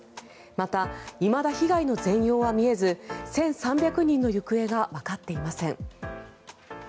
また、いまだ被害の全容は見えず１３００人の行方がわかっていません。